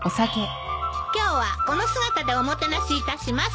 今日はこの姿でおもてなしいたします。